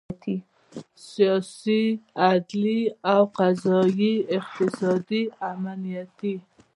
سیاسي، عدلي او قضایي، اقتصادي، امنیتي